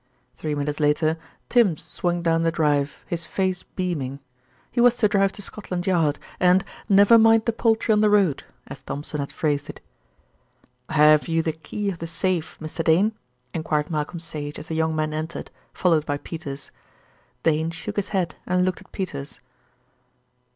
Three minutes later Tims swung down the drive, his face beaming. He was to drive to Scotland Yard and "never mind the poultry on the road," as Thompson had phrased it. "Have you the key of the safe, Mr. Dane?" enquired Malcolm Sage as the young man entered, followed by Peters. Dane shook his head and looked at Peters.